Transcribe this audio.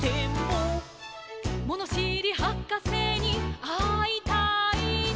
「ものしりはかせにあいたいな」